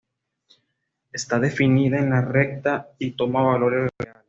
Está definida en la recta y toma valores reales.